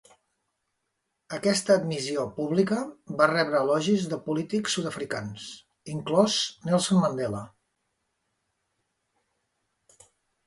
Aquesta admissió pública va rebre elogis de polítics sud-africans, inclòs Nelson Mandela.